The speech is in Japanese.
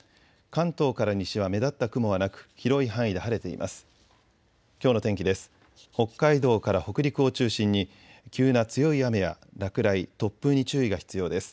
関東から西は目立った雲はなく広い範囲で晴れています。